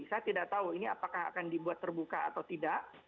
saya tidak tahu ini apakah akan dibuat terbuka atau tidak